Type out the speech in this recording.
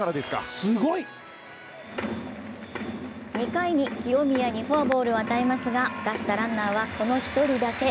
２回に清宮にフォアボールを与えますが出したランナーはこの１人だけ。